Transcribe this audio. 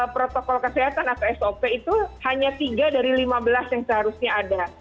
protokol kesehatan atau sop itu hanya tiga dari lima belas yang seharusnya ada